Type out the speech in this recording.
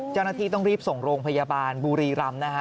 เจ้าหน้าที่ต้องรีบส่งโรงพยาบาลบุรีรำนะฮะ